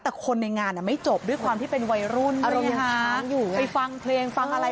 แต่คนในงานอ่ะไม่จบด้วยความที่เป็นวัยรุ่นอารมณ์หาไปฟังเพลงฟังอะไร